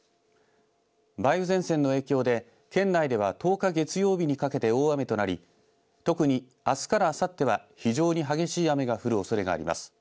梅雨前線の影響で県内では１０日月曜日にかけて大雨となり特に、あすからあさっては非常に激しい雨が降るおそれがあります。